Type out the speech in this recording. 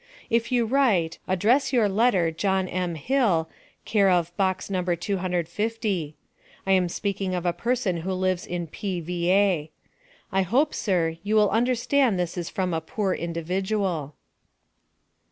If you write, address your letter John M. Hill, care of Box No. 250. I am speaking of a person who lives in P.va. I hope, sir, you will understand this is from a poor individual.